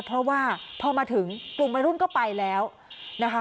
เพราะว่าพอมาถึงกลุ่มวัยรุ่นก็ไปแล้วนะคะ